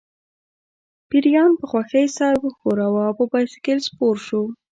پیریان په خوښۍ سر وښوراوه او په بایسکل سپور شو